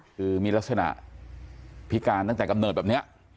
คือมีลักษณะพิการตั้งแต่กำเนิดแบบนี้